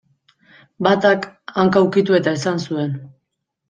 Batak, hanka ukitu eta esan zuen.